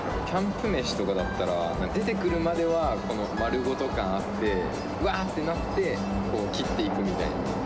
キャンプ飯とかだったら、出てくるまでは丸ごと感あって、わーってなって、切っていくみたいな。